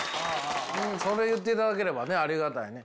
それ言っていただければねありがたいね。